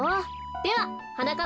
でははなかっ